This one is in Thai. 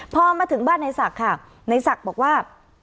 พอมาถึงบ้านในศักดิ์ค่ะในศักดิ์บอกว่า